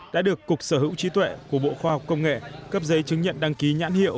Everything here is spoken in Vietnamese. đã được cục sở hữu trí tuệ của bộ khoa học công nghệ cấp giấy chứng nhận đăng ký nhãn hiệu